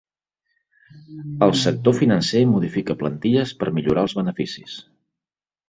El sector financer modifica plantilles per millorar els beneficis.